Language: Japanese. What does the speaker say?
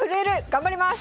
頑張ります。